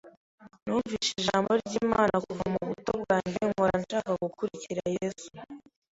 Numvise ijambo ry’Imana kuva mu buto bwanjye nkahora nshaka gukurikira Yesu